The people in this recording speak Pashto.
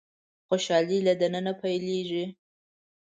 خوشالي له د ننه پيلېږي.